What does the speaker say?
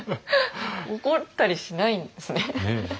怒ったりしないんですね。